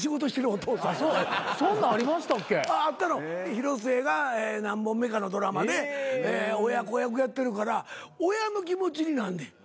広末が何本目かのドラマで親子役やってるから親の気持ちになんねん。